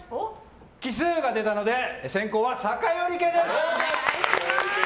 奇数が出たので先攻は酒寄家！